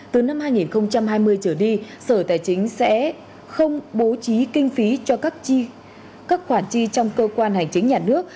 từ năm hai nghìn hai mươi trở đi sở tài chính sẽ không bố trí kinh phí cho các khoản chi trong cơ quan hành chính nhà nước